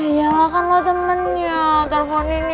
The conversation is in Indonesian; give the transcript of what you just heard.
iya lah kan lo temennya telfonin ya